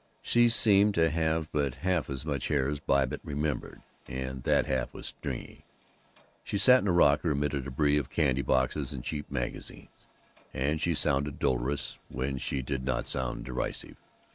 She seemed to have but half as much hair as Babbitt remembered, and that half was stringy. She sat in a rocker amid a debris of candy boxes and cheap magazines, and she sounded dolorous when she did not sound derisive.